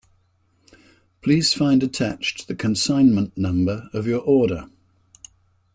Please find attached the consignment number of your order.